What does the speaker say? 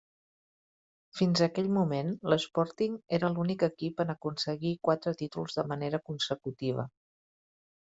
Fins a aquell moment, l'Sporting era l'únic equip en aconseguir quatre títols de manera consecutiva.